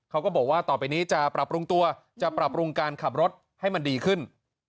เขาก็บอกว่าต่อไปนี้จะปรับปรุงตัวจะปรับปรุงการขับรถให้มันดีขึ้น